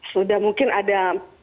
sudah mungkin ada